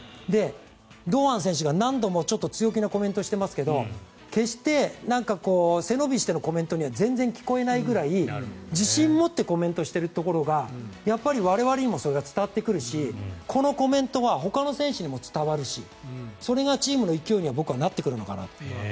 堂安選手が何度も強気なコメントをしていますが決して背伸びしてのコメントには全然聞こえないぐらい自信を持ってコメントしているところがやっぱり我々にもそれが伝わってくるしこのコメントはほかの選手にも伝わるしそれがチームの勢いになってくるのかなと。